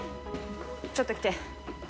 ちょっと来て。